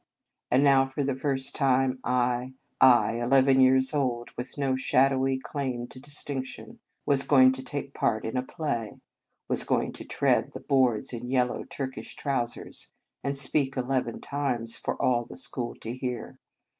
And now for the first time I I, eleven years old, and with no shadowy claim to distinction was going to 47 In Our Convent Days take part in a play, was going to tread the boards in yellow Turkish trousers, and speak eleven times for all the school to hear.